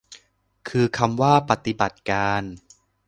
คือคำว่า ปฏิบัติการ